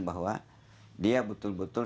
bahwa dia betul betul